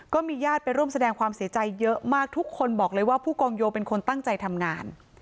ญาติไปร่วมแสดงความเสียใจเยอะมากทุกคนบอกเลยว่าผู้กองโยเป็นคนตั้งใจทำงาน